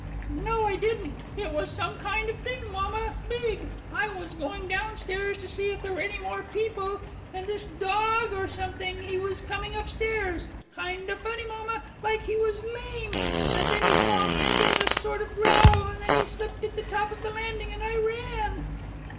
"No, I didn't. No, it was some kind of thing, mamma big. I was going down stairs to see if there were any more people, and this dog or something, he was coming up stairs. Kinda funny, mamma, like he was lame. And then he saw me and gave a sort of growl, and then he slipped at the top of the landing, and I ran."